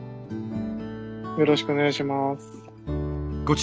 よろしくお願いします。